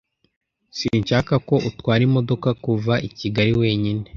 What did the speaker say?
Sinshaka ko utwara imodoka kuva I kigali wenyine.